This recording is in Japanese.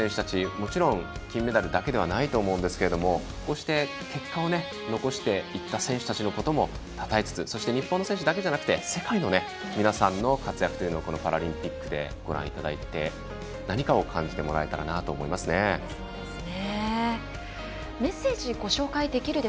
もちろん金メダルだけではないと思うんですけどこうして、結果を残していった選手たちのこともたたえつつ日本の選手だけではなくて世界の皆さんの活躍というのをこのパラリンピックでご覧いただいて何かを感じてもらえたらなと思いますね。